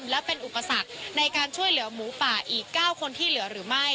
และเป็นอุปสรรคในการช่วยเหลือหมูป่าอีก๙คนที่เหลือหรือไม่